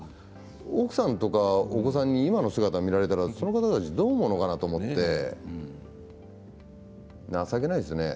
奥さんとか、お子さんに今の姿を見られたら、その方たちどう思うのかなと思って情けないですね。